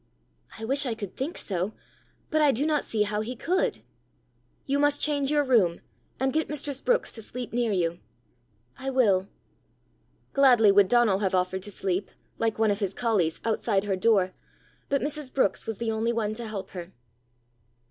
"I wish I could think so; but I do not see how he could." "You must change your room, and get mistress Brookes to sleep near you." "I will." Gladly would Donal have offered to sleep, like one of his colleys, outside her door, but Mrs. Brookes was the only one to help her.